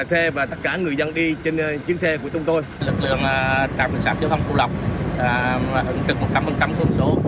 để phòng chống trong vòng xuống tỉnh